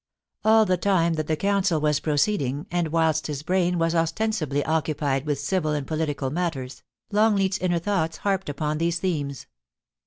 All the time that the Council was proceeding, and whilst his brain was ostensibly occupied with civil and political matters, Longleat's inner thoughts harped upon these themes.